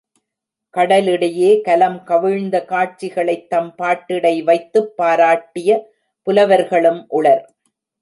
கடலிடையே கலம் கவிழ்ந்த காட்சிகளைத் தம் பாட்டிடை வைத்துப் பாராட்டிய புலவர்களும் உளர்.